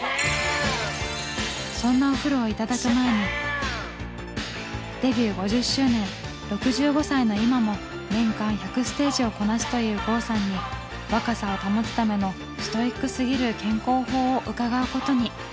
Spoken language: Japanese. そんなお風呂をいただく前にデビュー５０周年６５歳の今も年間１００ステージをこなすという郷さんに若さを保つためのストイックすぎる健康法を伺うことに。